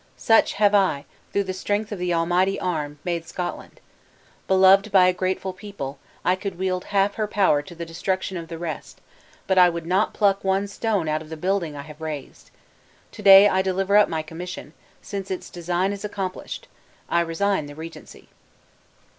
Such have I, through the strength of the Almighty arm, made Scotland! Beloved by a grateful people, I could wield half her power to the destruction of the rest; but I would not pluck one stone out of the building I have raised. To day I deliver up my commission, since its design is accomplished. I resign the regency."